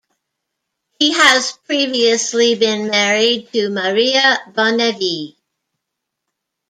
He has previously been married to Maria Bonnevie.